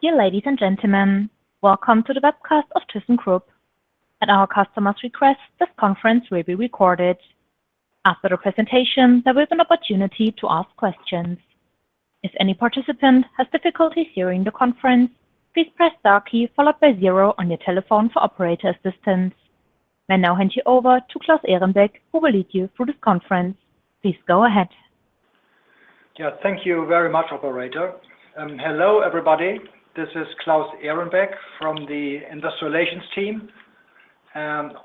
Dear ladies and gentlemen, welcome to the webcast of thyssenkrupp. At our customer's request, this conference will be recorded. After the presentation, there will be an opportunity to ask questions. If any participant has difficulties hearing the conference, please press star key followed by zero on your telephone for operator assistance. I now hand you over to Claus Ehrenbeck, who will lead you through this conference. Please go ahead. Yeah. Thank you very much, operator. Hello, everybody. This is Claus Ehrenbeck from the Investor Relations team.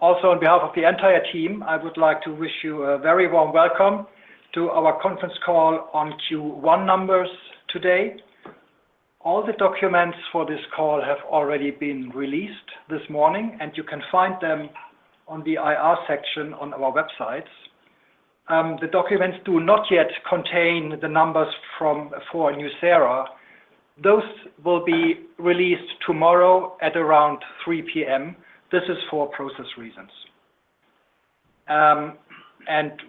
Also on behalf of the entire team, I would like to wish you a very warm welcome to our conference call on Q1 numbers today. All the documents for this call have already been released this morning, and you can find them on the IR section on our website. The documents do not yet contain the numbers for nucera. Those will be released tomorrow at around 3:00 P.M. This is for process reasons.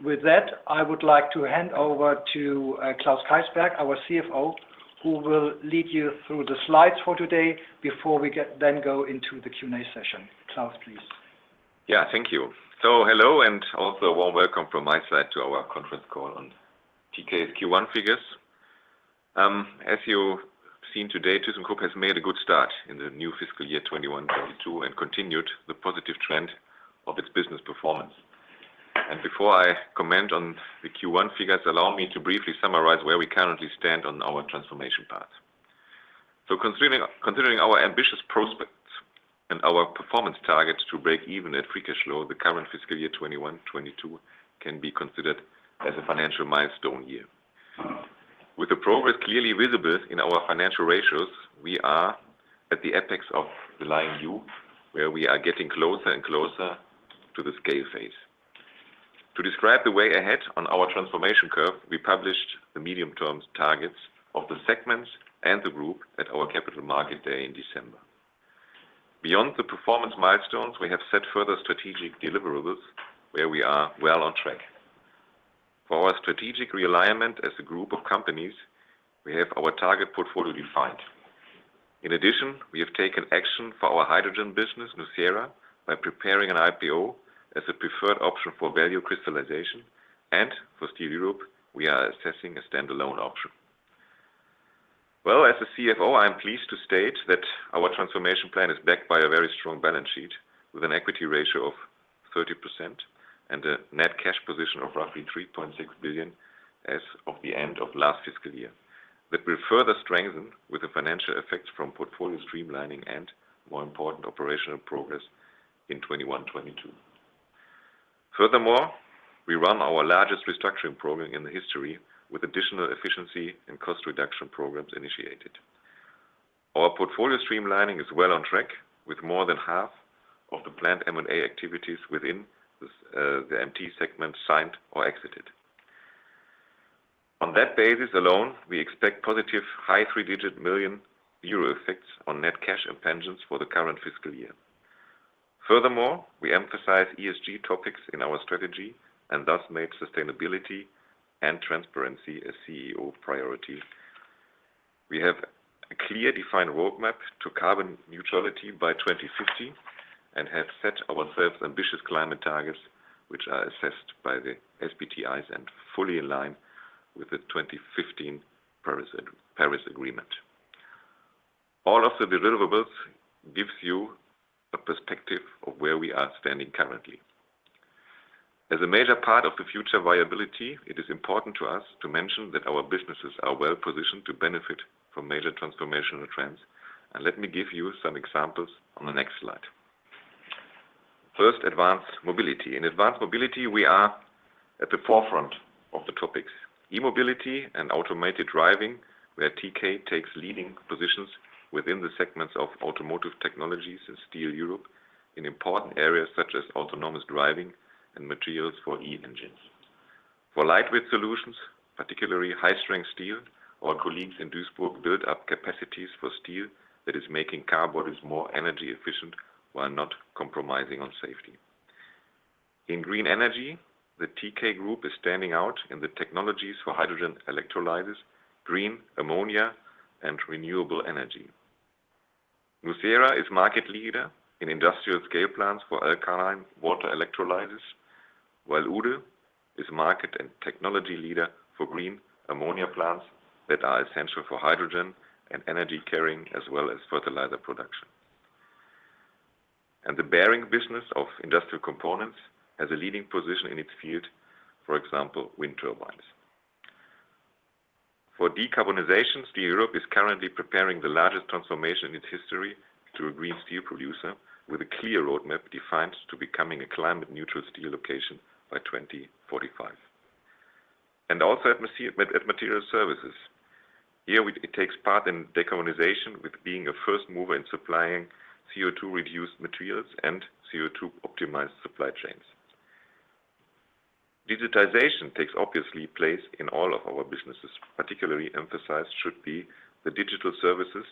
With that, I would like to hand over to Klaus Keysberg, our CFO, who will lead you through the slides for today before we then go into the Q&A session. Klaus, please. Yeah. Thank you. Hello and also warm welcome from my side to our conference call on TK's Q1 figures. As you've seen today, thyssenkrupp has made a good start in the new fiscal year 2021-2022 and continued the positive trend of its business performance. Before I comment on the Q1 figures, allow me to briefly summarize where we currently stand on our transformation path. Considering our ambitious prospects and our performance targets to break even at free cash flow, the current fiscal year 2021-2022 can be considered as a financial milestone year. With the progress clearly visible in our financial ratios, we are at the apex of the line U, where we are getting closer and closer to the scale phase. To describe the way ahead on our transformation curve, we published the medium term targets of the segments and the group at our Capital Market Day in December. Beyond the performance milestones, we have set further strategic deliverables where we are well on track. For our strategic realignment as a group of companies, we have our target portfolio defined. In addition, we have taken action for our hydrogen business, nucera, by preparing an IPO as a preferred option for value crystallization. For Steel Europe, we are assessing a stand-alone option. Well, as the CFO, I am pleased to state that our transformation plan is backed by a very strong balance sheet with an equity ratio of 30% and a net cash position of roughly 3.6 billion as of the end of last fiscal year. That will further strengthen with the financial effects from portfolio streamlining and more important operational progress in 2021, 2022. Furthermore, we run our largest restructuring program in the history with additional efficiency and cost reduction programs initiated. Our portfolio streamlining is well on track with more than half of the planned M&A activities within this, the MT segment signed or exited. On that basis alone, we expect positive high three-digit million euro effects on net cash and pensions for the current fiscal year. Furthermore, we emphasize ESG topics in our strategy and thus made sustainability and transparency a CEO priority. We have a clearly defined roadmap to carbon neutrality by 2050 and have set ourselves ambitious climate targets, which are assessed by the SBTi and fully in line with the 2015 Paris Agreement. All of the deliverables give you a perspective of where we are standing currently. As a major part of the future viability, it is important to us to mention that our businesses are well positioned to benefit from major transformational trends. Let me give you some examples on the next slide. First, advanced mobility. In advanced mobility, we are at the forefront of the topics. E-mobility and automated driving, where TK takes leading positions within the segments of Automotive Technology and Steel Europe in important areas such as autonomous driving and materials for e-engines. For lightweight solutions, particularly high-strength steel, our colleagues in Duisburg build up capacities for steel that is making car bodies more energy efficient while not compromising on safety. In green energy, the TK Group is standing out in the technologies for hydrogen electrolysis, green ammonia, and renewable energy. nucera is market leader in industrial scale plants for alkaline water electrolysis, while Uhde is market and technology leader for green ammonia plants that are essential for hydrogen and energy carrier, as well as fertilizer production. The bearing business of Industrial Components has a leading position in its field, for example, wind turbines. For decarbonization, Steel Europe is currently preparing the largest transformation in its history to a green steel producer with a clear roadmap defined to becoming a climate neutral steel location by 2045. Also at Materials Services. It takes part in decarbonization with being a first mover in supplying CO2 reduced materials and CO2 optimized supply chains. Digitization obviously takes place in all of our businesses. Particularly emphasized should be the digital services.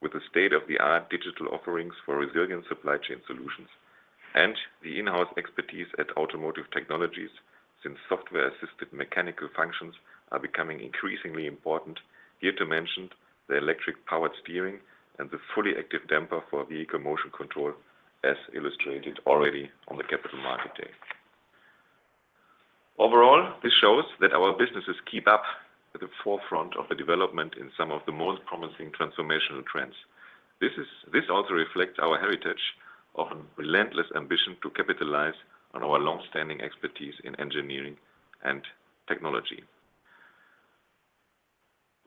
With the state-of-the-art digital offerings for resilient supply chain solutions and the in-house expertise at Automotive Technology, since software-assisted mechanical functions are becoming increasingly important. Here to mention the Electric Power Steering and the fully active damper for vehicle motion control, as illustrated already on the Capital Market Day. Overall, this shows that our businesses keep up with the forefront of the development in some of the most promising transformational trends. This also reflects our heritage of relentless ambition to capitalize on our long-standing expertise in engineering and technology.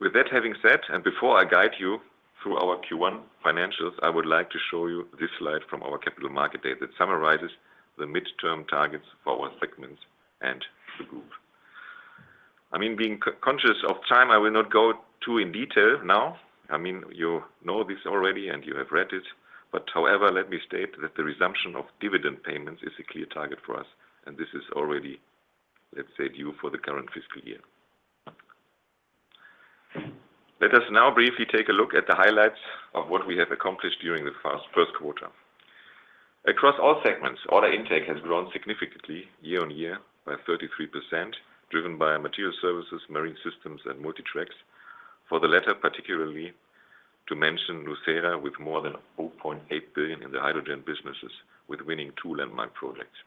With that having said, and before I guide you through our Q1 financials, I would like to show you this slide from our Capital Market Day that summarizes the midterm targets for our segments and the group. I mean, being conscious of time, I will not go too in detail now. I mean, you know this already and you have read it. However, let me state that the resumption of dividend payments is a clear target for us, and this is already, let's say, due for the current fiscal year. Let us now briefly take a look at the highlights of what we have accomplished during the first quarter. Across all segments, order intake has grown significantly year-on-year by 33%, driven by Materials Services, Marine Systems, and Multi Tracks. For the latter, particularly to mention nucera, with more than 4.8 billion in the hydrogen businesses with winning two landmark projects.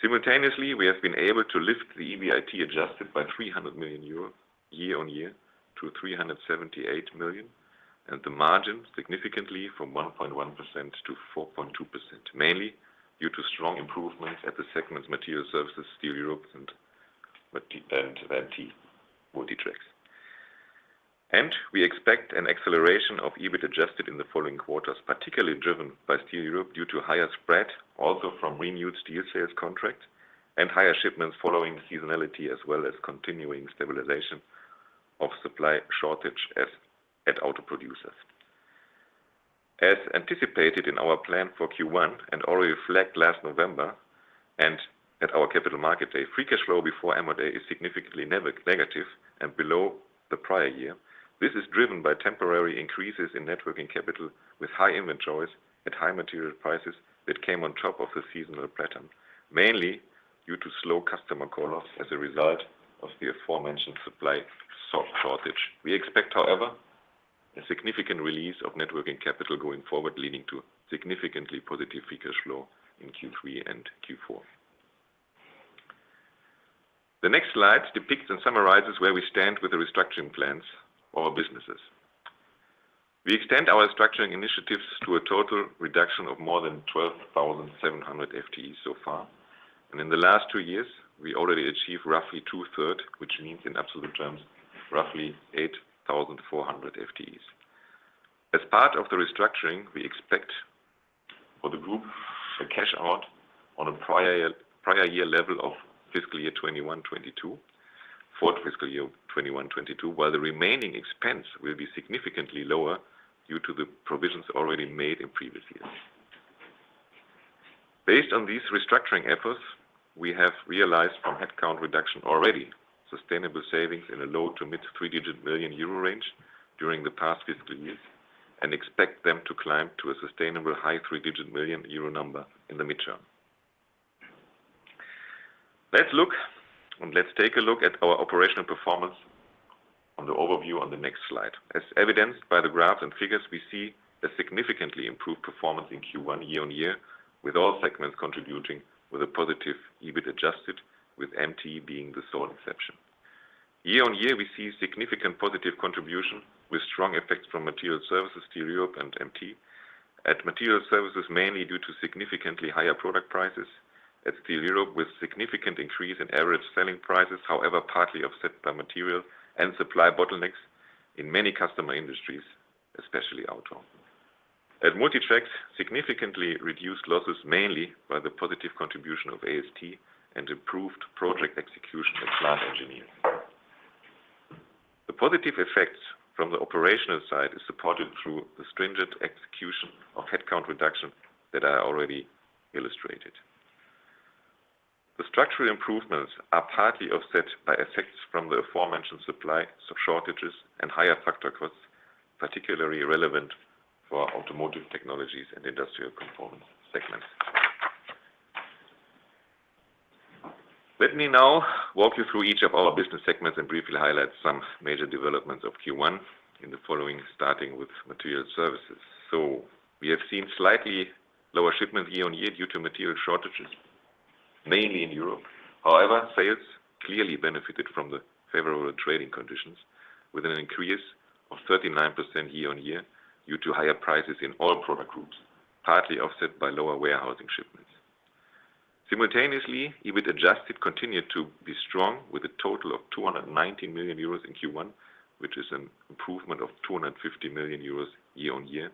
Simultaneously, we have been able to lift the EBIT adjusted by 300 million euro year-on-year to 378 million, and the margin significantly from 1.1% to 4.2%, mainly due to strong improvements at the segment's Materials Services, Steel Europe and MT Multi Tracks. We expect an acceleration of EBIT adjusted in the following quarters, particularly driven by Steel Europe due to higher spread, also from renewed steel sales contracts and higher shipments following seasonality as well as continuing stabilization of supply shortage at auto producers. As anticipated in our plan for Q1 and already flagged last November and at our Capital Market Day, free cash flow before MOD is significantly negative and below the prior year. This is driven by temporary increases in net working capital with high inventories at high material prices that came on top of the seasonal pattern, mainly due to slow customer call-offs as a result of the aforementioned supply shortage. We expect, however, a significant release of net working capital going forward, leading to significantly positive free cash flow in Q3 and Q4. The next slide depicts and summarizes where we stand with the restructuring plans of our businesses. We extend our restructuring initiatives to a total reduction of more than 12,700 FTEs so far. In the last two years, we already achieved roughly 2/3, which means in absolute terms, roughly 8,400 FTEs. As part of the restructuring, we expect for the group a cash-out on a prior year level of fiscal year 2021/22 for the fiscal year 2021/22, while the remaining expense will be significantly lower due to the provisions already made in previous years. Based on these restructuring efforts, we have realized from headcount reduction already sustainable savings in a low- to mid-three-digit million euro range during the past fiscal years, and expect them to climb to a sustainable high-three-digit million euro number in the midterm. Let's take a look at our operational performance on the overview on the next slide. As evidenced by the graphs and figures, we see a significantly improved performance in Q1 year-on-year, with all segments contributing with a positive EBIT adjusted, with MT being the sole exception. Year-on-year, we see significant positive contribution with strong effects from Materials Services, Steel Europe, and MT. At Materials Services, mainly due to significantly higher product prices. At Steel Europe, with significant increase in average selling prices, however, partly offset by material and supply bottlenecks in many customer industries, especially auto. At Multi Tracks, significantly reduced losses, mainly by the positive contribution of AST and improved project execution and plant engineering. The positive effects from the operational side is supported through the stringent execution of headcount reduction that I already illustrated. The structural improvements are partly offset by effects from the aforementioned supply shortages and higher factor costs, particularly relevant for our Automotive Technology and Industrial Components segments. Let me now walk you through each of our business segments and briefly highlight some major developments of Q1 in the following, starting with Materials Services. We have seen slightly lower shipments year-on-year due to material shortages, mainly in Europe. However, sales clearly benefited from the favorable trading conditions with an increase of 39% year-on-year due to higher prices in all product groups, partly offset by lower warehousing shipments. Simultaneously, EBIT adjusted continued to be strong with a total of 290 million euros in Q1, which is an improvement of 250 million euros year-on-year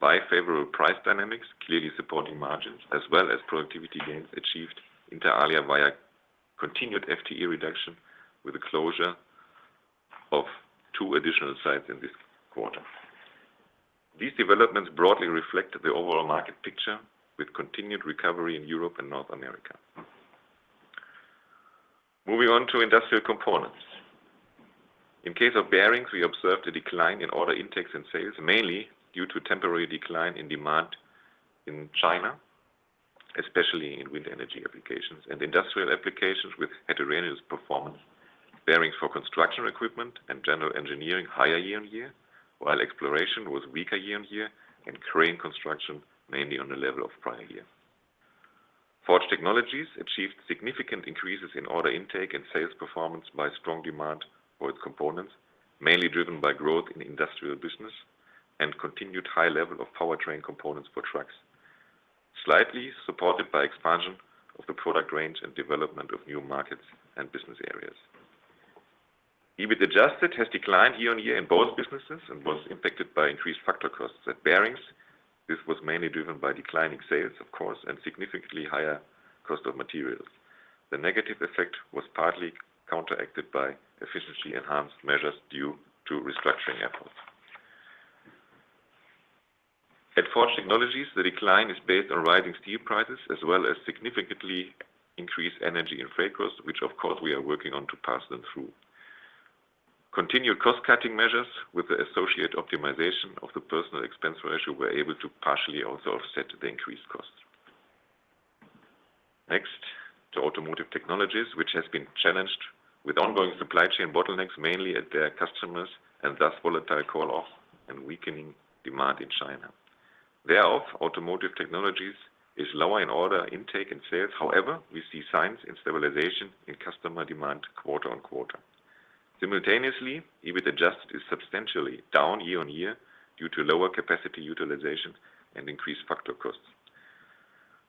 by favorable price dynamics, clearly supporting margins as well as productivity gains achieved inter alia via continued FTE reduction with the closure of two additional sites in this quarter. These developments broadly reflect the overall market picture with continued recovery in Europe and North America. Moving on to Industrial Components. In case of bearings, we observed a decline in order intakes and sales, mainly due to temporary decline in demand in China, especially in wind energy applications and industrial applications with heterogeneous performance. Bearings for construction equipment and general engineering were higher year-on-year, while excavators were weaker year-on-year and crane construction mainly on the level of prior year. Forged Technologies achieved significant increases in order intake and sales performance by strong demand for its components, mainly driven by growth in industrial business and continued high level of powertrain components for trucks, slightly supported by expansion of the product range and development of new markets and business areas. EBIT adjusted has declined year-on-year in both businesses and was impacted by increased factor costs at bearings. This was mainly driven by declining sales, of course, and significantly higher cost of materials. The negative effect was partly counteracted by efficiency enhanced measures due to restructuring efforts. At Forged Technologies, the decline is based on rising steel prices as well as significantly increased energy and freight costs, which of course we are working on to pass them through. Continued cost-cutting measures with the associated optimization of the personnel expense ratio were able to partially also offset the increased costs. Next to Automotive Technology, which has been challenged with ongoing supply chain bottlenecks, mainly at their customers and thus volatile call off and weakening demand in China. Thereof, Automotive Technology is lower in order intake and sales. However, we see signs of stabilization in customer demand quarter-on-quarter. Simultaneously, EBIT adjusted is substantially down year-on-year due to lower capacity utilization and increased factor costs.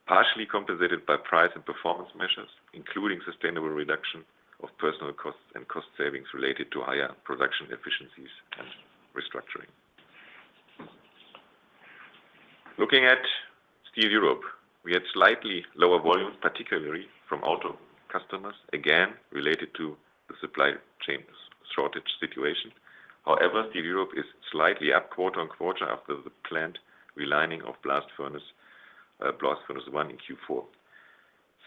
Partially compensated by price and performance measures, including sustainable reduction of personal costs and cost savings related to higher production efficiencies and restructuring. Looking at Steel Europe, we had slightly lower volumes, particularly from auto customers, again related to the supply chain shortage situation. However, Steel Europe is slightly up quarter-on-quarter after the plant relining of Blast Furnace 1 in Q4.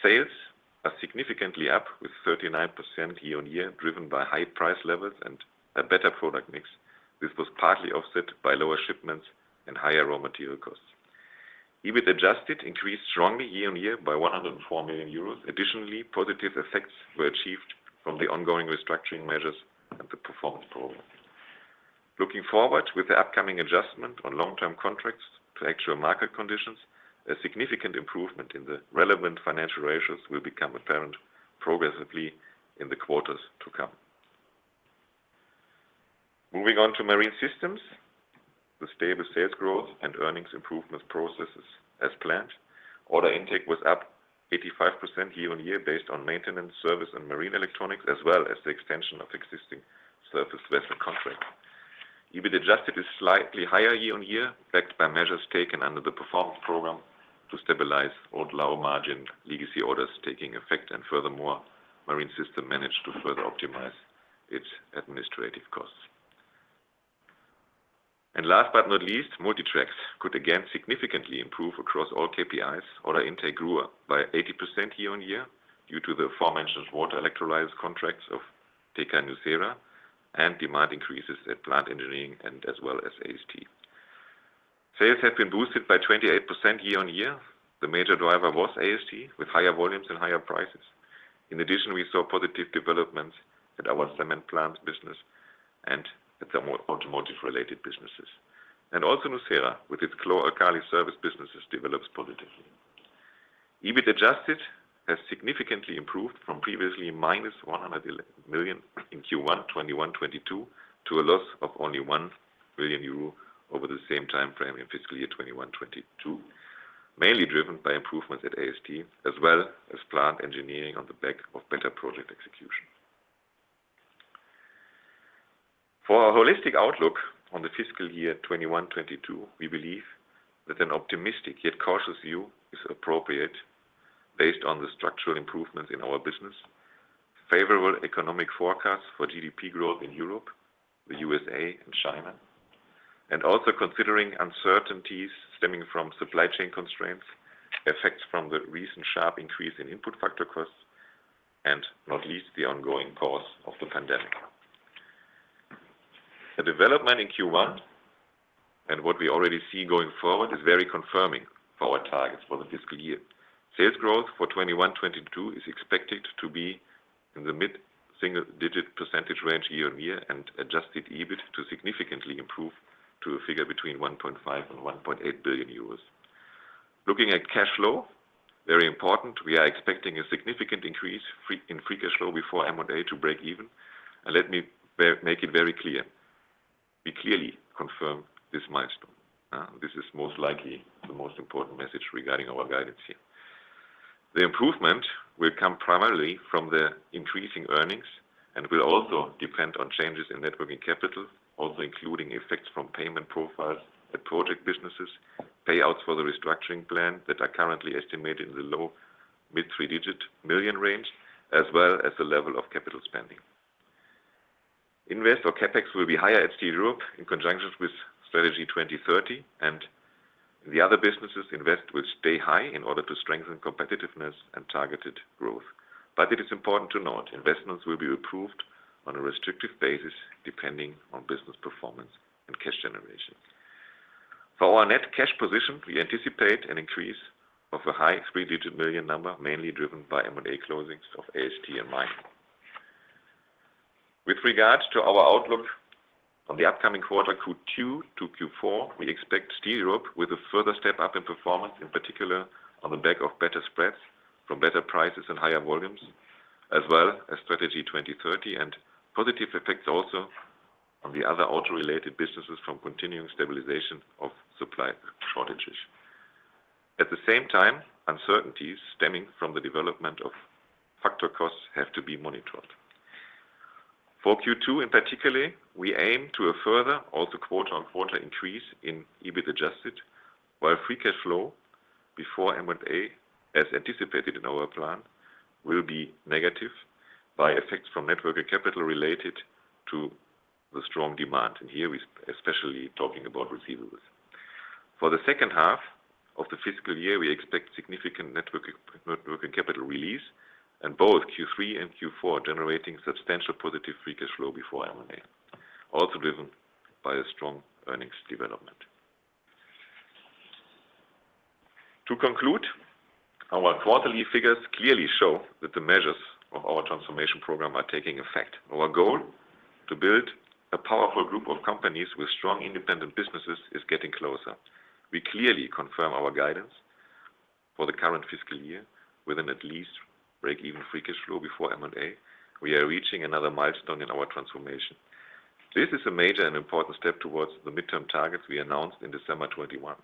Sales are significantly up with 39% year-on-year, driven by high price levels and a better product mix. This was partly offset by lower shipments and higher raw material costs. EBIT adjusted increased strongly year-on-year by 104 million euros. Additionally, positive effects were achieved from the ongoing restructuring measures and the performance program. Looking forward with the upcoming adjustment on long-term contracts to actual market conditions, a significant improvement in the relevant financial ratios will become apparent progressively in the quarters to come. Moving on to Marine Systems, the stable sales growth and earnings improvement process is as planned. Order intake was up 85% year-on-year based on maintenance, service and marine electronics, as well as the extension of existing surface vessel contracts. EBIT adjusted is slightly higher year-on-year, backed by measures taken under the performance program to stabilize old low margin legacy orders taking effect. Furthermore, Marine Systems managed to further optimize its administrative costs. Last but not least, Multi Tracks could again significantly improve across all KPIs. Order intake grew by 80% year-on-year due to the aforementioned water electrolysis contracts of thyssenkrupp nucera and demand increases at plant engineering as well as AST. Sales have been boosted by 28% year-on-year. The major driver was AST with higher volumes and higher prices. In addition, we saw positive developments at our cement plants business and at the more automotive related businesses. Also nucera with its chlor-alkali service businesses develops positively. EBIT adjusted has significantly improved from previously -100 million in Q1 2021/22 to a loss of only 1 million euro over the same time frame in fiscal year 2021/22. Mainly driven by improvements at AST as well as plant engineering on the back of better project execution. For our holistic outlook on the fiscal year 2021, 2022, we believe that an optimistic yet cautious view is appropriate based on the structural improvements in our business, favorable economic forecasts for GDP growth in Europe, the U.S. and China, and also considering uncertainties stemming from supply chain constraints, effects from the recent sharp increase in input factor costs, and not least, the ongoing course of the pandemic. The development in Q1 and what we already see going forward is very confirming for our targets for the fiscal year. Sales growth for 2021, 2022 is expected to be in the mid-single-digit percentage range year-on-year and adjusted EBIT to significantly improve to a figure between 1.5 billion and 1.8 billion euros. Looking at cash flow, very important, we are expecting a significant increase in free cash flow before M&A to break even. Let me make it very clear. We clearly confirm this milestone. This is most likely the most important message regarding our guidance here. The improvement will come primarily from the increasing earnings and will also depend on changes in net working capital, also including effects from payment profiles at project businesses, payouts for the restructuring plan that are currently estimated in the low- to mid-three-digit million range, as well as the level of capital spending. Investment or CapEx will be higher at Steel Europe in conjunction with Strategy 20-30 and the other businesses investments will stay high in order to strengthen competitiveness and targeted growth. It is important to note, investments will be approved on a restrictive basis, depending on business performance and cash generation. For our net cash position, we anticipate an increase of a high three-digit million number, mainly driven by M&A closings of AST and mining. With regards to our outlook on the upcoming quarters Q2 to Q4, we expect Steel Europe with a further step up in performance, in particular on the back of better spreads from better prices and higher volumes, as well as Strategy 20-30 and positive effects also on the other auto-related businesses from continuing stabilization of supply shortages. At the same time, uncertainties stemming from the development of factor costs have to be monitored. For Q2, in particular, we aim to a further quarter-on-quarter increase in EBIT adjusted, while free cash flow before M&A, as anticipated in our plan, will be negative by effects from net working capital related to the strong demand. Here we especially talking about receivables. For the second half of the fiscal year, we expect significant net working capital release and both Q3 and Q4 generating substantial positive free cash flow before M&A, also driven by a strong earnings development. To conclude, our quarterly figures clearly show that the measures of our transformation program are taking effect. Our goal to build a powerful group of companies with strong independent businesses is getting closer. We clearly confirm our guidance for the current fiscal year with at least break-even free cash flow before M&A. We are reaching another milestone in our transformation. This is a major and important step towards the midterm targets we announced in December 2021.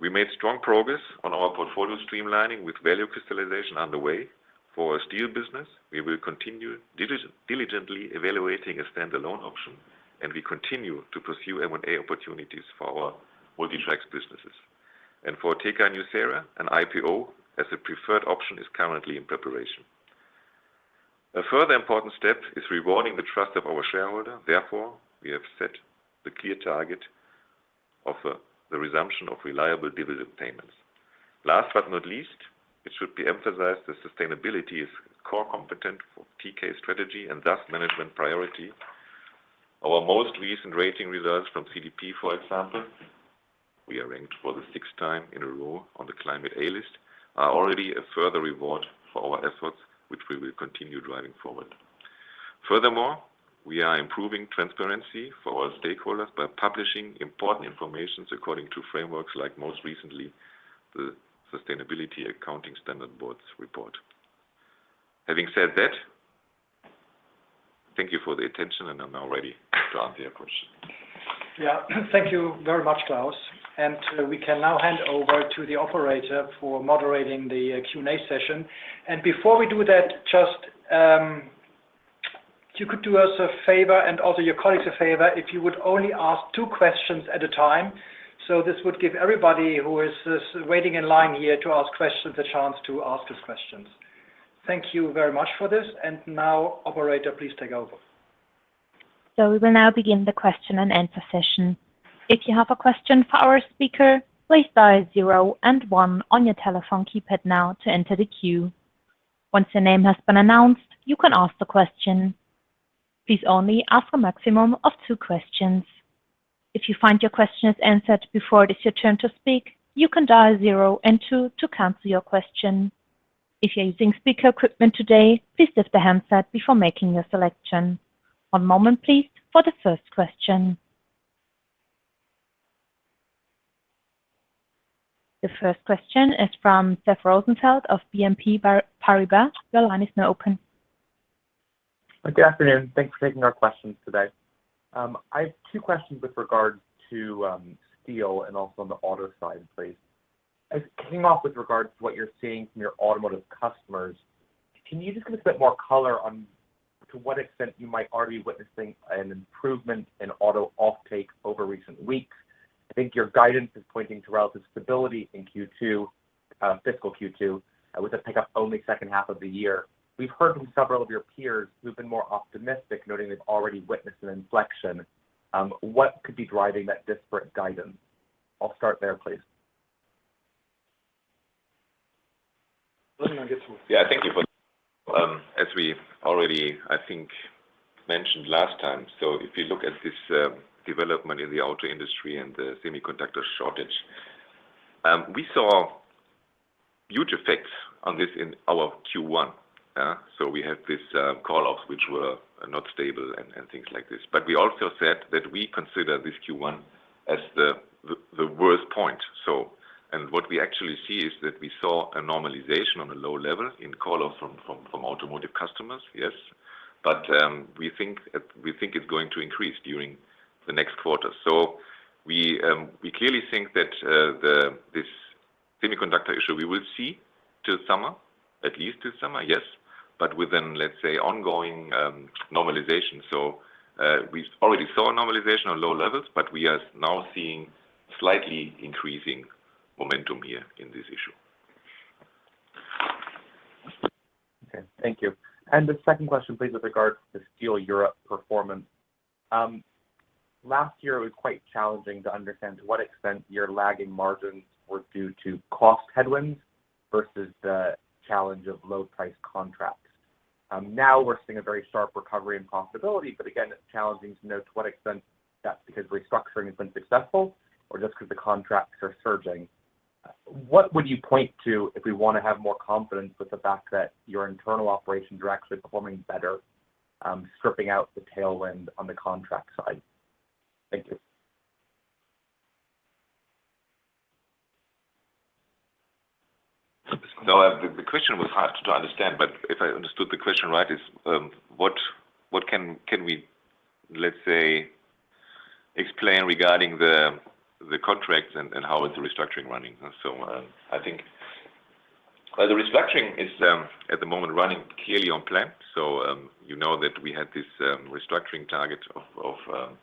We made strong progress on our portfolio streamlining with value crystallization underway. For our steel business, we will continue diligently evaluating a stand-alone option, and we continue to pursue M&A opportunities for our Multi Tracks businesses. For thyssenkrupp nucera, an IPO as a preferred option is currently in preparation. A further important step is rewarding the trust of our shareholder. Therefore, we have set the clear target of the resumption of reliable dividend payments. Last but not least, it should be emphasized that sustainability is a core component for TK strategy and thus management priority. Our most recent rating results from CDP, for example, we are ranked for the sixth time in a row on the Climate A List, are already a further reward for our efforts, which we will continue driving forward. Furthermore, we are improving transparency for our stakeholders by publishing important information according to frameworks like most recently the Sustainability Accounting Standards Board's report. Having said that, thank you for the attention and I'm now ready to answer your questions. Yeah. Thank you very much, Klaus. We can now hand over to the operator for moderating the Q&A session. Before we do that, just, if you could do us a favor and also your colleagues a favor, if you would only ask two questions at a time. This would give everybody who is waiting in line here to ask questions, a chance to ask these questions. Thank you very much for this. Now, operator, please take over. We will now begin the question and answer session. If you have a question for our speaker, please dial zero and one on your telephone keypad now to enter the queue. Once your name has been announced, you can ask the question. Please only ask a maximum of two questions. If you find your question is answered before it is your turn to speak, you can dial zero and two to cancel your question. If you're using speaker equipment today, please lift the handset before making your selection. One moment, please for the first question. The first question is from Seth Rosenfeld of BNP Paribas. Your line is now open. Good afternoon. Thanks for taking our questions today. I have two questions with regards to steel and also on the auto side, please. I'll start off with regards to what you're seeing from your automotive customers. Can you just give a bit more color on to what extent you might already be witnessing an improvement in auto offtake over recent weeks? I think your guidance is pointing to relative stability in Q2, fiscal Q2, with a pickup only second half of the year. We've heard from several of your peers who've been more optimistic, noting they've already witnessed an inflection. What could be driving that disparate guidance? I'll start there, please. Let me now get to- As we already, I think, mentioned last time, if you look at this development in the auto industry and the semiconductor shortage, we saw huge effects on this in our Q1. We had this call off, which were not stable and things like this. We also said that we consider this Q1 as the worst point. What we actually see is that we saw a normalization on a low level in call off from automotive customers. We think it's going to increase during the next quarter. We clearly think that this semiconductor issue, we will see till summer, at least till summer. Within, let's say, ongoing normalization. We already saw a normalization on low levels, but we are now seeing slightly increasing momentum here in this issue. Okay. Thank you. The second question please with regard to the Steel Europe performance. Last year it was quite challenging to understand to what extent your lagging margins were due to cost headwinds versus the challenge of low price contracts. Now we're seeing a very sharp recovery in profitability, but again, it's challenging to know to what extent that's because restructuring has been successful or just 'cause the contracts are surging. What would you point to if we wanna have more confidence with the fact that your internal operation directly performing better, stripping out the tailwind on the contract side? Thank you. No, the question was hard to understand, but if I understood the question right, what can we, let's say, explain regarding the contracts and how is the restructuring running? I think the restructuring is at the moment running clearly on plan. You know that we had this restructuring target of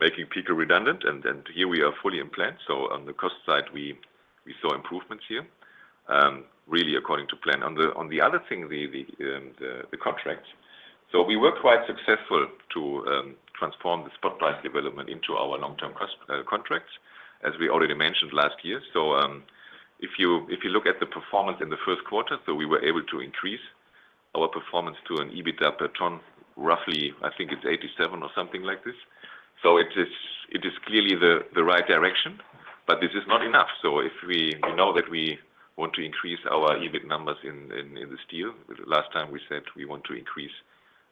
making people redundant. Then here we are fully in plan. On the cost side, we saw improvements here really according to plan. On the other thing, the contracts. We were quite successful to transform the spot price development into our long-term contracts, as we already mentioned last year. If you look at the performance in the first quarter, we were able to increase our performance to an EBIT per ton, roughly, I think it's 87 or something like this. It is clearly the right direction, but this is not enough. If we know that we want to increase our EBIT numbers in the Steel, last time we said we want to increase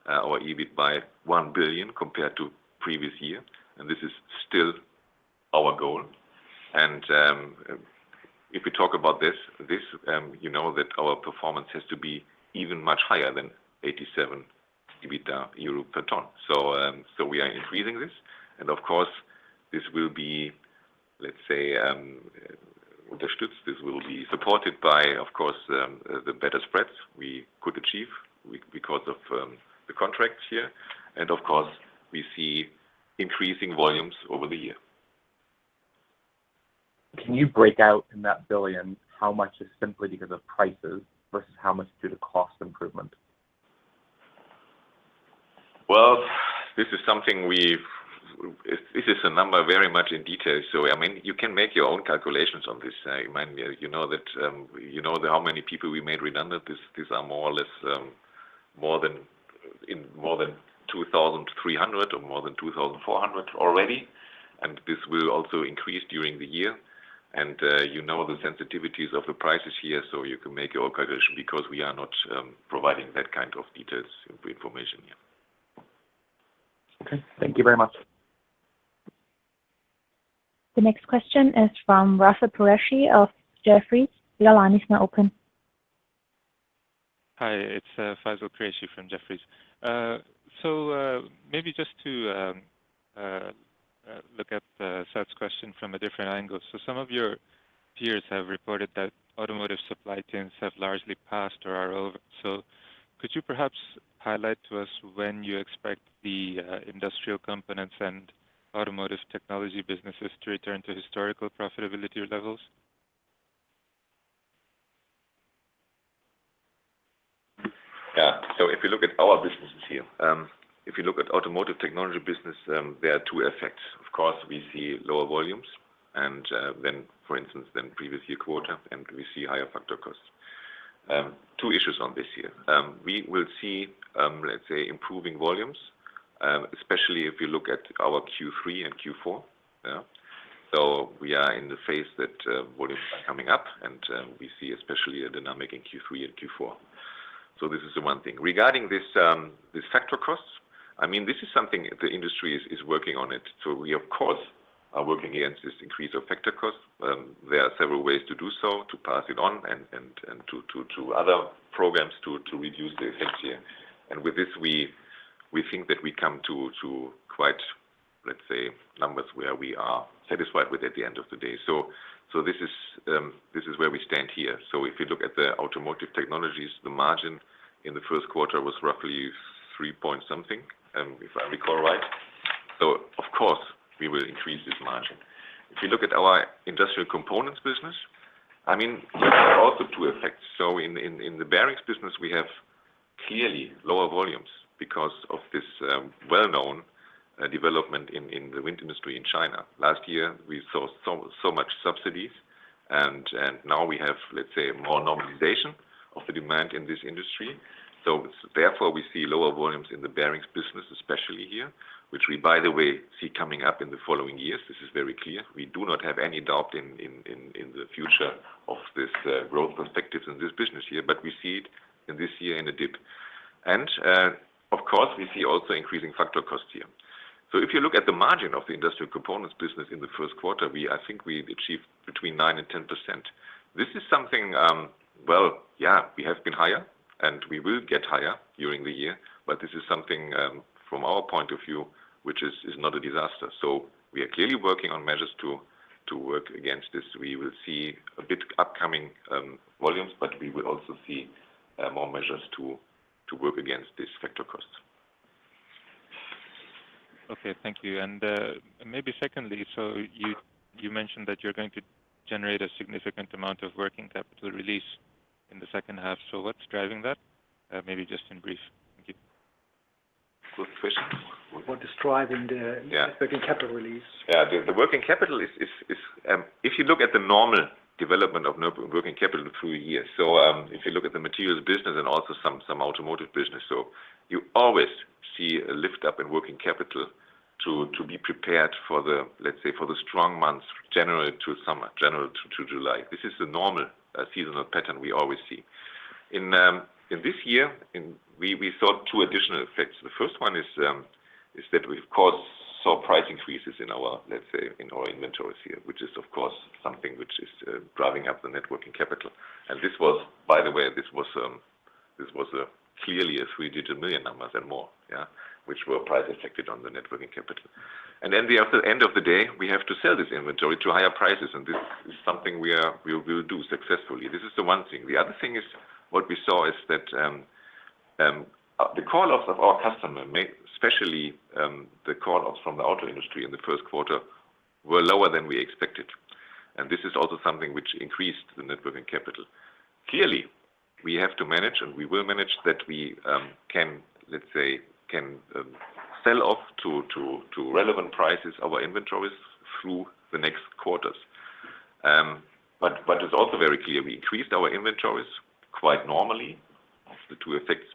our EBIT by 1 billion compared to previous year, and this is still our goal. If we talk about this, you know that our performance has to be even much higher than 87 euro EBITDA per ton. We are increasing this, and of course this will be, let's say, understood. This will be supported by of course, the better spreads we could achieve because of the contracts here. Of course we see increasing volumes over the year. Can you break out in that billion how much is simply because of prices versus how much is due to cost improvement? This is a number very much in detail. I mean, you can make your own calculations on this, you know that, you know how many people we made redundant. These are more or less more than 2,300 or more than 2,400 already. This will also increase during the year. You know, the sensitivities of the prices here so you can make your calculation because we are not providing that kind of details, information here. Okay. Thank you very much. The next question is from Faisal Khurshid of Jefferies. Your line is now open. Hi, it's Faisal Khurshid from Jefferies. Maybe just to look at Seth's question from a different angle. Some of your peers have reported that automotive supply chains have largely passed or are over. Could you perhaps highlight to us when you expect the Industrial Components and Automotive Technology businesses to return to historical profitability levels? Yeah. If you look at our businesses here, if you look at Automotive Technology business, there are two effects. Of course, we see lower volumes and, for instance, than previous year quarter, and we see higher factor costs. Two issues on this here. We will see, let's say improving volumes, especially if you look at our Q3 and Q4. Yeah. We are in the phase that volumes are coming up and we see especially a dynamic in Q3 and Q4. This is the one thing. Regarding this factor costs, I mean, this is something the industry is working on it. We of course are working against this increase of factor costs. There are several ways to do so, to pass it on and to other programs to reduce the effects here. With this, we think that we come to quite, let's say, numbers where we are satisfied with at the end of the day. This is where we stand here. If you look at the Automotive Technology, the margin in the first quarter was roughly three point something, if I recall right. Of course we will increase this margin. If you look at our Industrial Components business, I mean, there are also two effects. In the bearings business, we have clearly lower volumes because of this well-known development in the wind industry in China. Last year we saw so much subsidies and now we have, let's say, more normalization of the demand in this industry. We see lower volumes in the bearings business, especially here, which we, by the way, see coming up in the following years. This is very clear. We do not have any doubt in the future of this growth perspectives in this business here, but we see it in this year in a dip. Of course we see also increasing factor cost here. If you look at the margin of the Industrial Components business in the first quarter, I think we've achieved between 9% and 10%. This is something, well, yeah, we have been higher and we will get higher during the year, but this is something, from our point of view, which is not a disaster. We are clearly working on measures to work against this. We will see a bit upcoming volumes, but we will also see more measures to work against this factor cost. Okay, thank you. Maybe secondly, you mentioned that you're going to generate a significant amount of working capital release in the second half. What's driving that? Maybe just in brief. Thank you. Good question. What is driving the? Yeah. Working capital release? The working capital is. If you look at the normal development of working capital through a year. If you look at the materials business and also some automotive business. You always see a lift up in working capital to be prepared for the, let's say, strong months, January to July. This is the normal seasonal pattern we always see. In this year, we saw two additional effects. The first one is that we, of course, saw price increases in our, let's say, inventories here, which is of course something which is driving up the net working capital. By the way, this was clearly a three-digit million numbers and more, yeah, which were price affected on the net working capital. We at the end of the day, we have to sell this inventory to higher prices, and this is something we will do successfully. This is the one thing. The other thing is what we saw is that the call-offs from the auto industry in the first quarter were lower than we expected. This is also something which increased the net working capital. Clearly, we have to manage, and we will manage that we can, let's say, sell off to relevant prices our inventories through the next quarters. But it's also very clear we increased our inventories quite normally. The two effects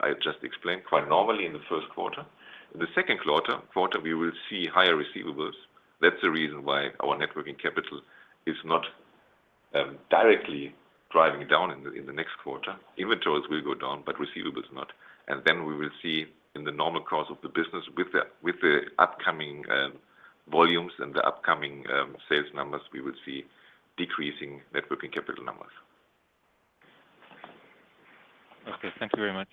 I just explained quite normally in the first quarter. In the second quarter we will see higher receivables. That's the reason why our net working capital is not directly driving down in the next quarter. Inventories will go down, but receivables not. We will see in the normal course of the business with the upcoming volumes and the upcoming sales numbers, we will see decreasing net working capital numbers. Okay. Thank you very much.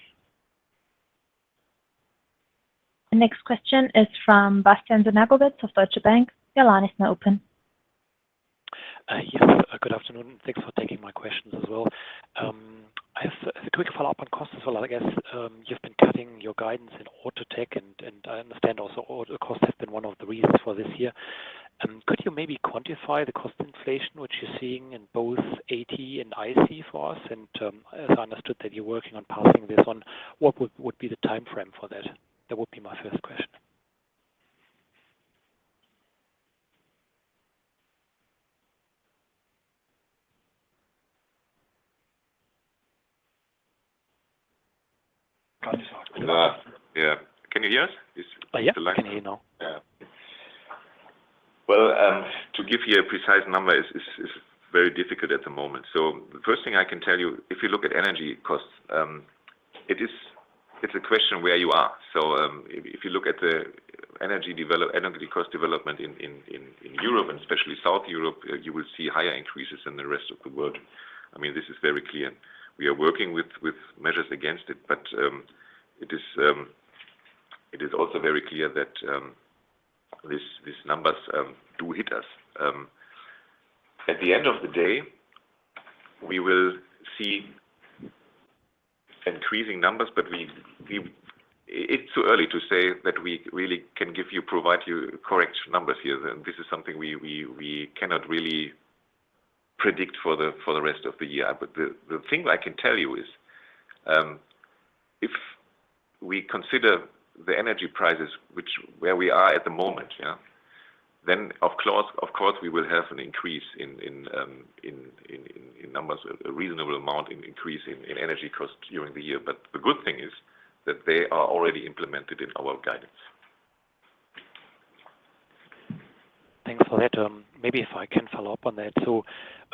The next question is from Bastian Synagowitz of Deutsche Bank. Your line is now open. Yes, good afternoon, and thanks for taking my questions as well. I have a quick follow-up on costs as well, I guess. You've been cutting your guidance in Automotive Technology, and I understand also auto cost has been one of the reasons for this year. Could you maybe quantify the cost inflation, which you're seeing in both AT and IC for us? And, as I understood that you're working on passing this on, what would be the timeframe for that? That would be my first question. Yeah. Can you hear us? Yeah. I can hear you now. Yeah. Well, to give you a precise number is very difficult at the moment. The first thing I can tell you, if you look at energy costs, it is a question where you are. If you look at the energy cost development in Europe and especially South Europe, you will see higher increases than the rest of the world. I mean, this is very clear. We are working with measures against it, but it is also very clear that these numbers do hit us. At the end of the day, we will see increasing numbers, but it's too early to say that we really can give you, provide you correct numbers here. This is something we cannot really predict for the rest of the year. The thing I can tell you is, if we consider the energy prices where we are at the moment, yeah, then of course we will have an increase in numbers, a reasonable amount of increase in energy costs during the year. The good thing is that they are already implemented in our guidance. Thanks for that. Maybe if I can follow up on that.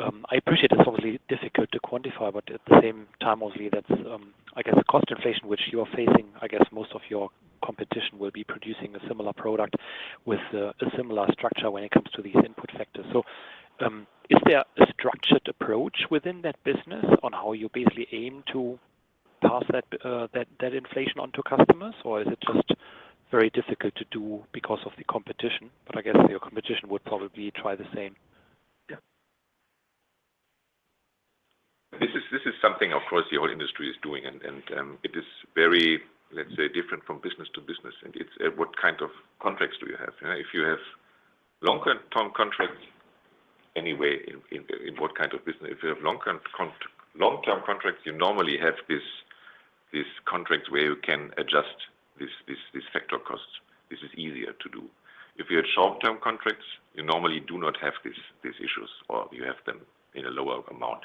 I appreciate it's obviously difficult to quantify, but at the same time, obviously, that's, I guess a cost inflation which you are facing. I guess most of your competition will be producing a similar product with a similar structure when it comes to these input factors. Is there a structured approach within that business on how you basically aim to pass that inflation on to customers, or is it just very difficult to do because of the competition? I guess your competition would probably try the same. Yeah. This is something, of course, the whole industry is doing. It is very, let's say, different from business to business. It's what kind of contracts do you have, yeah. If you have longer-term contracts anyway, in what kind of business. If you have long-term contracts, you normally have this contract where you can adjust this factor costs. This is easier to do. If you have short-term contracts, you normally do not have these issues, or you have them in a lower amount.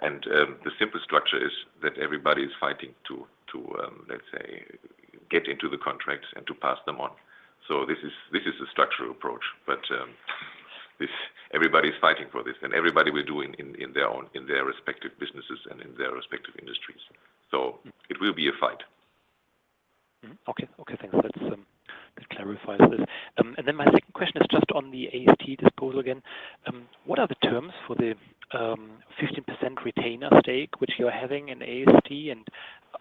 The simple structure is that everybody is fighting to, let's say, get into the contracts and to pass them on. This is a structural approach, but everybody is fighting for this, and everybody will do it in their respective businesses and in their respective industries. It will be a fight. Okay. Okay, thanks. That clarifies this. My second question is just on the AST disposal again. What are the terms for the 15% retained stake which you are having in AST, and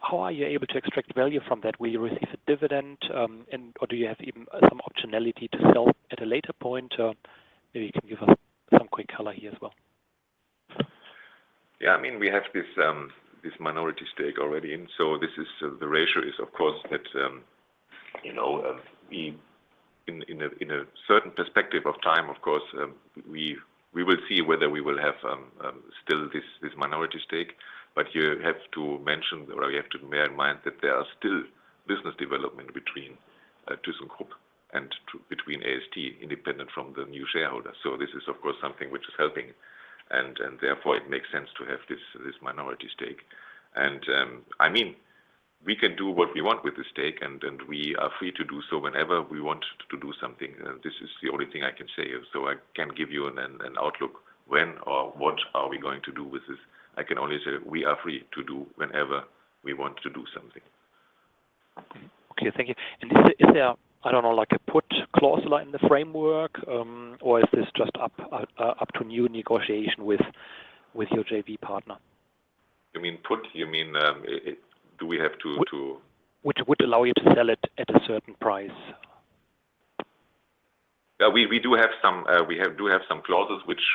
how are you able to extract value from that? Will you receive a dividend or do you have even some optionality to sell at a later point? Maybe you can give us some quick color here as well. Yeah, I mean, we have this minority stake already, and this is the ratio of course that, you know, we in a certain perspective of time, of course, we will see whether we will have still this minority stake. You have to mention or you have to bear in mind that there are still business development between thyssenkrupp and between AST independent from the new shareholder. This is of course something which is helping and therefore it makes sense to have this minority stake. I mean, we can do what we want with the stake, and we are free to do so whenever we want to do something. This is the only thing I can say. I can't give you an outlook when or what are we going to do with this. I can only say we are free to do whenever we want to do something. Okay, thank you. Is there, I don't know, like a put clause in the framework, or is this just up to new negotiation with your JV partner? You mean, do we have to- Would allow you to sell it at a certain price. Yeah. We do have some clauses which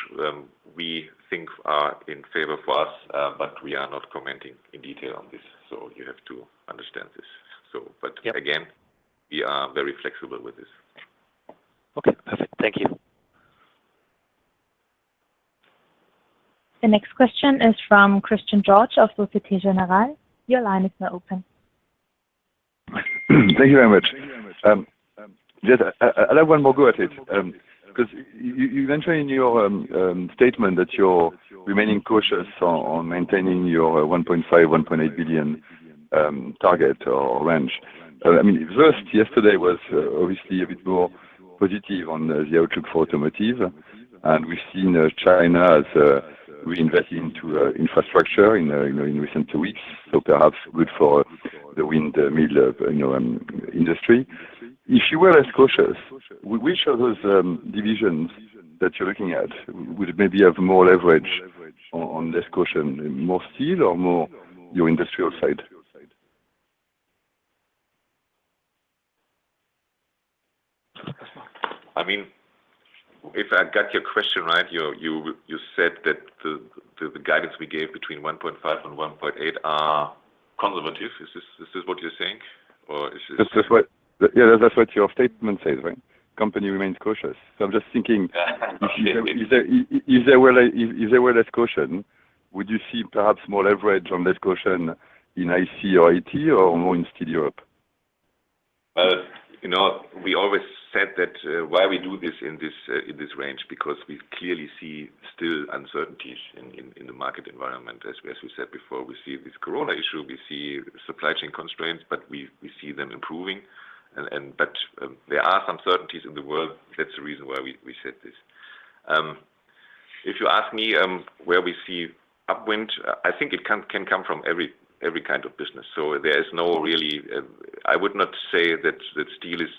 we think are in favor for us, but we are not commenting in detail on this, so you have to understand this. Yeah. Again, we are very flexible with this. Okay, perfect. Thank you. The next question is from Christian Georges of Société Générale. Your line is now open. Thank you very much. I'd have one more go at it, 'cause you mentioned in your statement that you're remaining cautious on maintaining your 1.5 billion-1.8 billion target or range. I mean, first, yesterday was obviously a bit more positive on the outlook for automotive, and we've seen China has been reinvesting into infrastructure in you know in recent two weeks, so perhaps good for the windmill you know industry. If you were as cautious, which of those divisions that you're looking at would maybe have more leverage on this caution, more steel or more your industrial side? I mean, if I got your question right, you said that the guidance we gave between 1.5% and 1.8% are conservative. Is this what you're saying? Or is this- Yeah, that's what your statement says, right? Company remains cautious. I'm just thinking. Is there where less caution, would you see perhaps more leverage on that caution in IC or AT or more in Steel Europe? You know, we always said that why we do this in this range, because we clearly see still uncertainties in the market environment. As we said before, we see this Corona issue, we see supply chain constraints, but we see them improving and but there are some uncertainties in the world. That's the reason why we said this. If you ask me, where we see upside, I think it can come from every kind of business. So there is no really. I would not say that steel is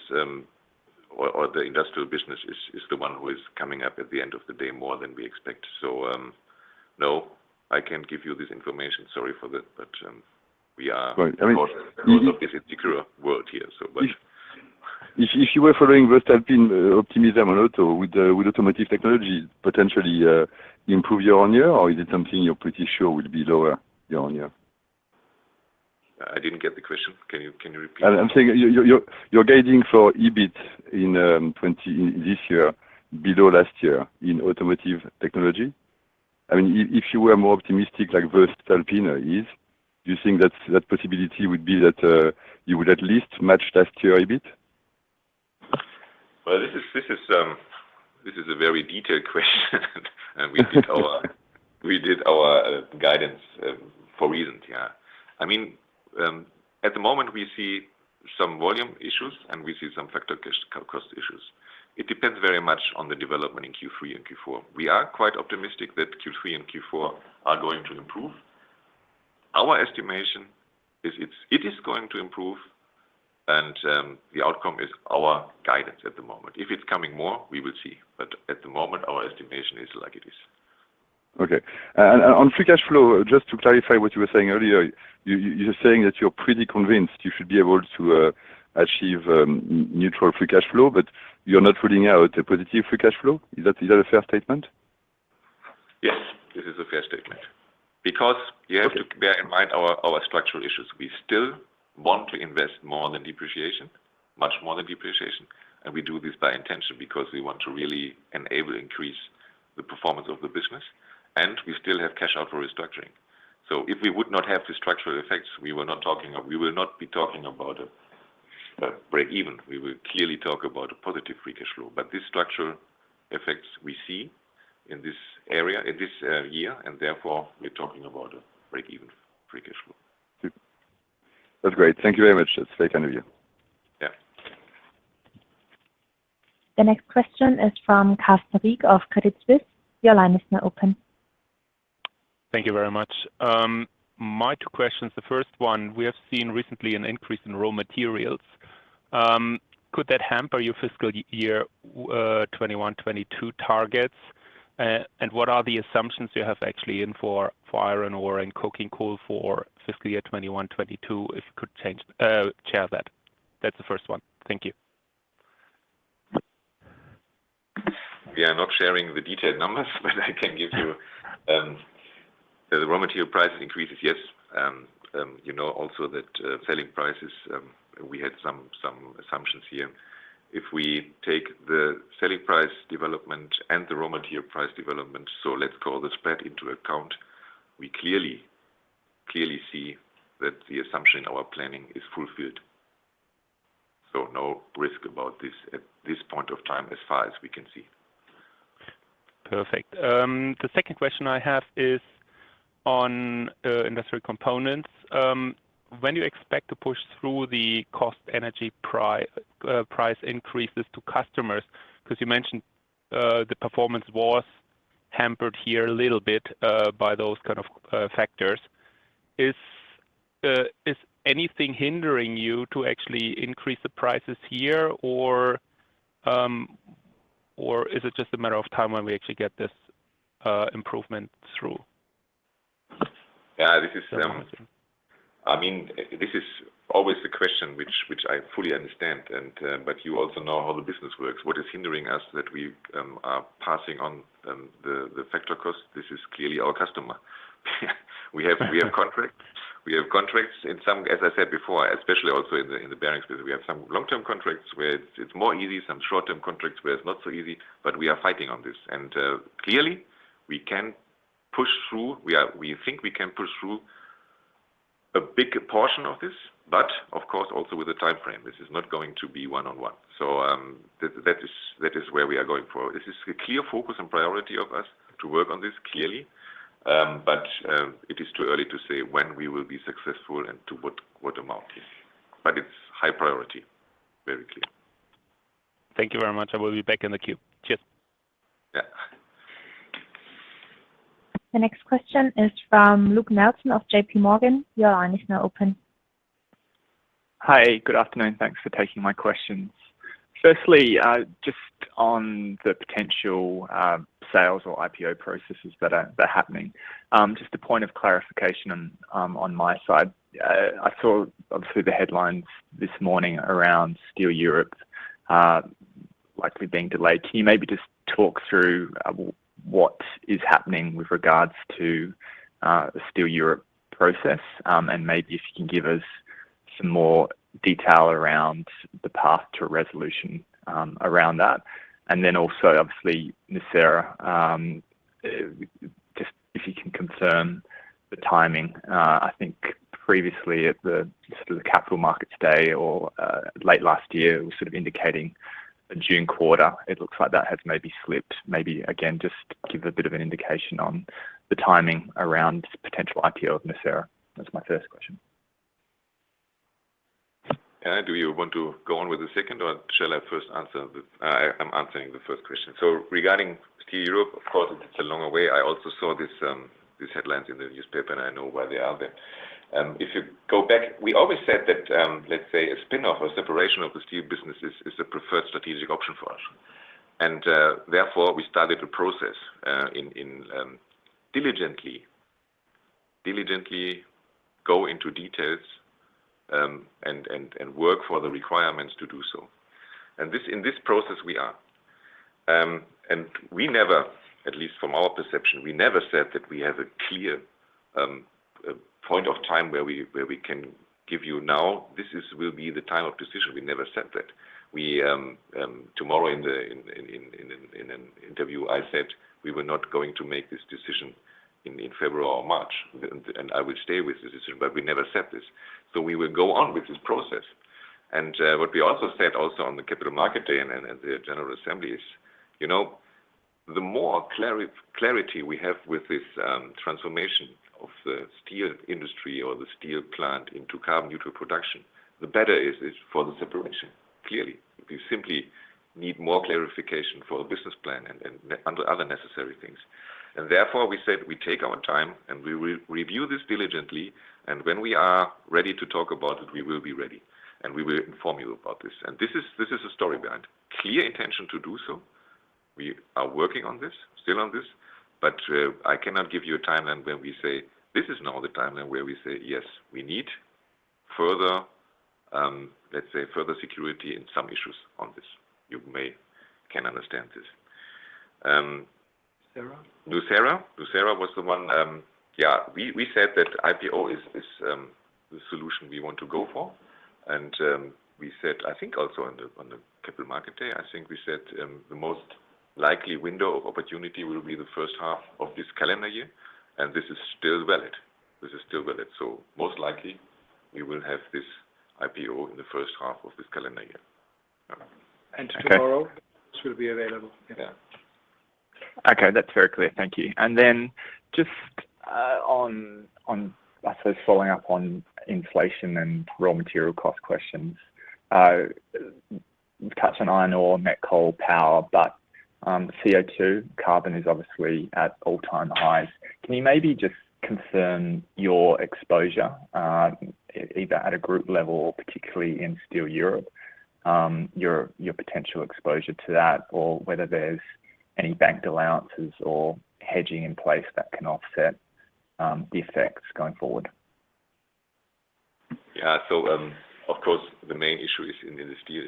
or the industrial business is the one who is coming up at the end of the day more than we expect. No, I can't give you this information. Sorry for that. We are- Right. I mean. Of course, there is obviously secure world here. If you were following what have been optimism on auto with automotive technologies potentially improve your own year or is it something you're pretty sure will be lower your own year? I didn't get the question. Can you repeat? I'm saying you're guiding for EBIT this year below last year in Automotive Technology. I mean, if you were more optimistic, like voestalpine is, do you think that possibility would be that you would at least match last year a bit? Well, this is a very detailed question and we did our guidance for a reason, yeah. I mean, at the moment we see some volume issues, and we see some factor cost issues. It depends very much on the development in Q3 and Q4. We are quite optimistic that Q3 and Q4 are going to improve. Our estimation is it is going to improve and the outcome is our guidance at the moment. If it's coming more, we will see. But at the moment, our estimation is like it is. Okay. On free cash flow, just to clarify what you were saying earlier, you're saying that you're pretty convinced you should be able to achieve neutral free cash flow, but you're not ruling out a positive free cash flow. Is that a fair statement? Yes, this is a fair statement. Because you have to bear in mind our structural issues. We still want to invest more than depreciation, much more than depreciation. We do this by intention because we want to really enable increase the performance of the business, and we still have cash out for restructuring. If we would not have the structural effects, we will not be talking about a breakeven. We will clearly talk about a positive free cash flow. This structural effects we see in this area, in this year, and therefore, we're talking about a breakeven free cash flow. That's great. Thank you very much. That's very kind of you. Yeah. The next question is from Carsten Riek of Credit Suisse. Your line is now open. Thank you very much. My two questions, the first one, we have seen recently an increase in raw materials. Could that hamper your fiscal year 2021-2022 targets? What are the assumptions you have actually in for iron ore and coking coal for fiscal year 2021-2022, if you could share that? That's the first one. Thank you. We are not sharing the detailed numbers, but I can give you the raw material price increases, yes. You know also that selling prices we had some assumptions here. If we take the selling price development and the raw material price development, so let's call the spread into account, we clearly see that the assumption in our planning is fulfilled. No risk about this at this point of time as far as we can see. Perfect. The second question I have is on Industrial Components. When you expect to push through the price increases to customers, because you mentioned the performance was hampered here a little bit by those kind of factors. Is anything hindering you to actually increase the prices here or is it just a matter of time when we actually get this improvement through? Yeah, I mean, this is always the question which I fully understand, but you also know how the business works. What is hindering us is that we are passing on the factor cost. This is clearly our customer. We have contracts. We have contracts in some, as I said before, especially also in the bearings business, we have some long-term contracts where it's more easy, some short-term contracts where it's not so easy, but we are fighting on this. Clearly, we can push through. We think we can push through a big portion of this, but of course also with a timeframe. This is not going to be one-on-one. That is where we are going for. This is a clear focus and priority of us to work on this, clearly. It is too early to say when we will be successful and to what amount. It's high priority. Very clear. Thank you very much. I will be back in the queue. Cheers. Yeah. The next question is from Luke Nelson of JPMorgan. Your line is now open. Hi, good afternoon. Thanks for taking my questions. Firstly, just on the potential sales or IPO processes that are happening. Just a point of clarification on my side. I saw obviously the headlines this morning around Steel Europe likely being delayed. Can you maybe just talk through what is happening with regards to the Steel Europe process? Maybe if you can give us some more detail around the path to a resolution around that. Also, obviously, nucera. Just if you can confirm the timing. I think previously at the sort of Capital Market Day or late last year, it was sort of indicating a June quarter. It looks like that has maybe slipped. Maybe again, just give a bit of an indication on the timing around potential IPO of nucera. That's my first question. Yeah. Do you want to go on with the second, or shall I first answer? I'm answering the first question. Regarding Steel Europe, of course, it's a long way. I also saw these headlines in the newspaper, and I know why they are there. If you go back, we always said that, let's say a spin-off or separation of the steel business is the preferred strategic option for us. Therefore, we started to process in diligently go into details and work for the requirements to do so. In this process we are. We never, at least from our perception, we never said that we have a clear point of time where we can give you now, this will be the time of decision. We never said that. Tomorrow in an interview, I said we were not going to make this decision in February or March. I would stay with this decision, but we never said this. We will go on with this process. What we also said on the Capital Market Day and the general assembly is, the more clarity we have with this transformation of the steel industry or the steel plant into carbon-neutral production, the better is for the separation, clearly. We simply need more clarification for a business plan and under other necessary things. Therefore, we said we take our time, and we will review this diligently. When we are ready to talk about it, we will be ready, and we will inform you about this. This is a story behind. Clear intention to do so. We are working on this, still on this. I cannot give you a timeline when we say this is now the timeline where we say yes. We need further, let's say, security in some issues on this. You can understand this. Nucera? Nucera was the one. We said that IPO is the solution we want to go for. We said, I think also on the Capital Market Day, I think we said, the most likely window of opportunity will be the first half of this calendar year, and this is still valid. Most likely, we will have this IPO in the first half of this calendar year. Okay. Tomorrow, this will be available? Yeah. Okay, that's very clear. Thank you. Just on, I suppose following up on inflation and raw material cost questions. Touch on iron ore, met coal, power, but CO2 carbon is obviously at all-time highs. Can you maybe just confirm your exposure, either at a group level or particularly in Steel Europe, your potential exposure to that or whether there's any banked allowances or hedging in place that can offset the effects going forward? Yeah. Of course, the main issue is in the steel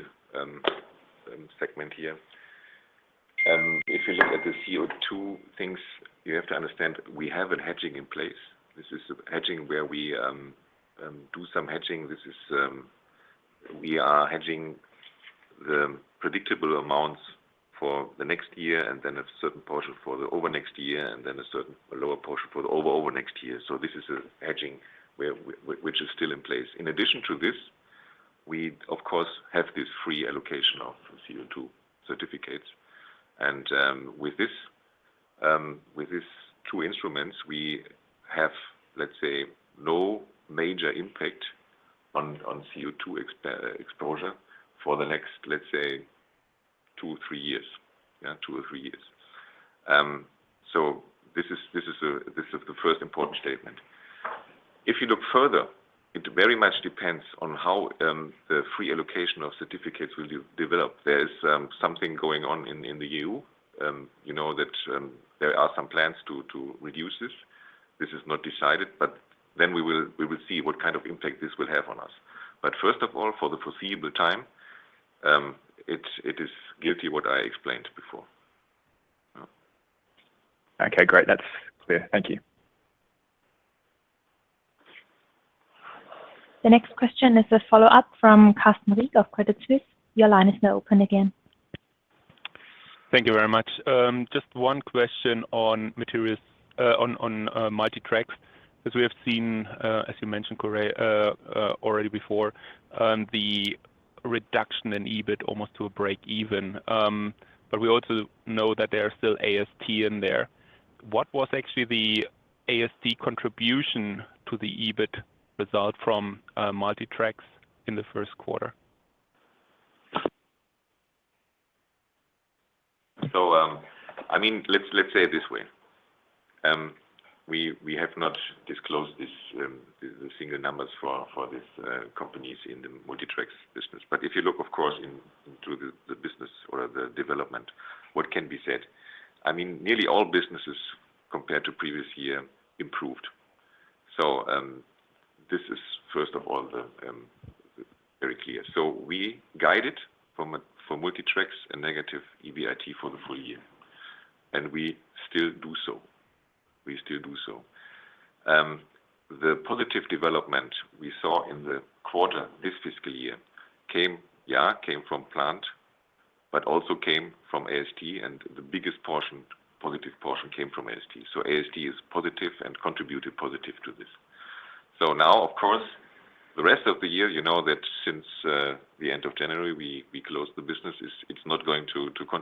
segment here. If you look at the CO2 things, you have to understand we have a hedging in place. This is a hedging where we do some hedging. This is, we are hedging the predictable amounts for the next year and then a certain portion for the over next year, and then a certain lower portion for the over next year. This is a hedging which is still in place. In addition to this, we of course have this free allocation of CO2 certificates. With this, with these two instruments, we have, let's say, no major impact on CO2 exposure for the next, let's say two, three years. Yeah, two or three years. This is the first important statement. If you look further, it very much depends on how the free allocation of certificates will develop. There is something going on in the EU. You know that there are some plans to reduce this. This is not decided, but then we will see what kind of impact this will have on us. First of all, for the foreseeable time, it is valid what I explained before. Okay, great. That's clear. Thank you. The next question is a follow-up from Carsten Riek of Credit Suisse. Your line is now open again. Thank you very much. Just one question on materials, on Multi Tracks, as we have seen, as you mentioned, Klaus, already before, the reduction in EBIT almost to a break even. We also know that there are still AST in there. What was actually the AST contribution to the EBIT result from Multi Tracks in the first quarter? I mean, let's say it this way. We have not disclosed the single numbers for these companies in the Multi Tracks business. If you look, of course, into the business or the development, what can be said? I mean, nearly all businesses compared to previous year improved. This is first of all very clear. We guided for Multi Tracks a negative EBIT for the full year, and we still do so. We still do so. The positive development we saw in the quarter this fiscal year came from Plant, but also came from AST, and the biggest portion, positive portion came from AST. AST is positive and contributed positive to this. Now, of course, the rest of the year, you know that since the end of January we closed the business. It's not going to contribute